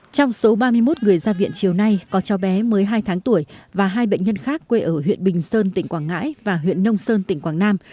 trong số ba mươi một người ra viện chiều nay có cho bé mới hai tháng tuổi và hai bệnh nhân khác quê ở huyện bình sơn tỉnh quảng ngãi và huyện nông sơn tỉnh quảng nam